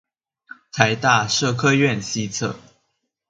臺大社科院西側